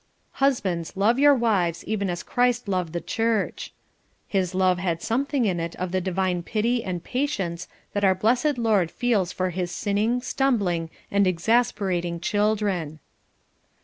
"Husbands, love your wives even as Christ loved the church." His love had something in it of the divine pity and patience that our blessed Lord feels for his sinning, stumbling, and exasperating children.